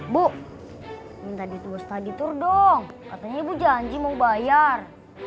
bu minta ditulis tadi tur dong katanya ibu janji mau bayar